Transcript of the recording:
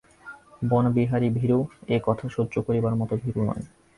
বনবিহারী ভীরু, একথা সহ্য করিবার মতো ভীরু নয়।